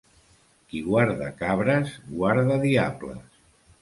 Qui guarda cabres, guarda diables.